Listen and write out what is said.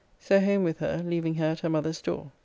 So home with her, leaving her at her mother's door.